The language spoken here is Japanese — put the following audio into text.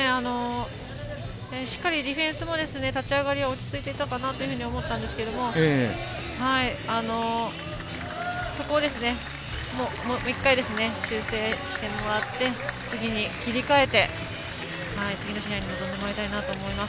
しっかりディフェンスも立ち上がり落ち着いていたかなと思ったんですけどそこをもう１回修正してもらって次に切り替えて次の試合に臨んでもらいたいと思います。